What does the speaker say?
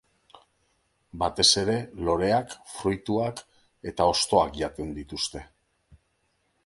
Batez ere loreak, fruituak eta hostoak jaten dituzte.